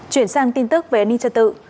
chuyển sang tin tức về an ninh trật tự